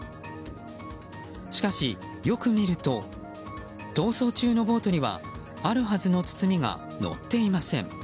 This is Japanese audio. しかし、よく見ると逃走中のボートにはあるはずの包みがのっていません。